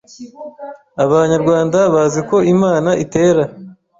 Abanyarwanda bazi ko Imana itera